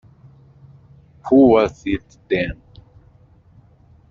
Who was it, then?